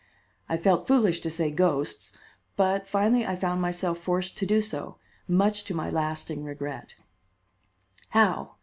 I felt foolish to say ghosts, but finally I found myself forced to do so, much to my lasting regret." "How?